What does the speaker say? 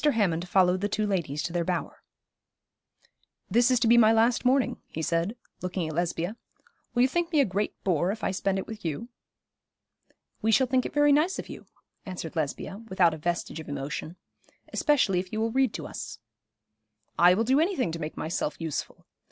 Hammond followed the two ladies to their bower. 'This is to be my last morning,' he said, looking at Lesbia. 'Will you think me a great bore if I spend it with you?' 'We shall think it very nice of you,' answered Lesbia, without a vestige of emotion; 'especially if you will read to us.' 'I will do any thing to make myself useful.